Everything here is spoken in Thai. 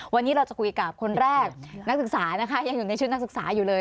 วันนี้เราจะคุยกับคนแรกนักศึกษานะคะยังอยู่ในชุดนักศึกษาอยู่เลย